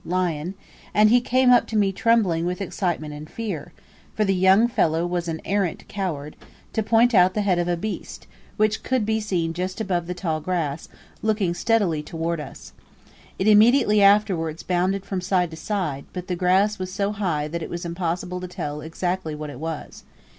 (lion);" and he came up to me trembling with excitement and fear for the young fellow was an arrant coward to point out the head of a beast, which could be seen just above the tall grass, looking steadily towards us. It immediately afterwards bounded from side to side, but the grass was so high that it was impossible to tell exactly what it was.